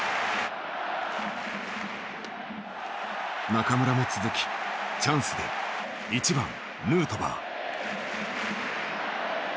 中村も続きチャンスで１番ヌートバー。